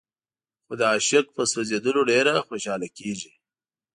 خو د عاشق په سوځېدلو ډېره خوشاله کېږي.